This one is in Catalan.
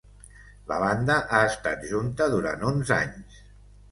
La banda ha estat junta durant onze anys.